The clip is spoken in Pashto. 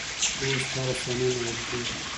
پوست هره ثانیه نوي کیږي.